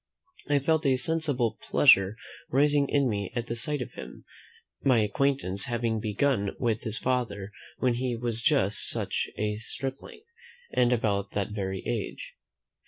I felt a sensible pleasure rising in me at the sight of him, my acquaintance having begun with his father when he was just such a stripling, and about that very age.